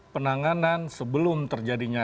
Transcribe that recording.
penanganan sebelum terjadinya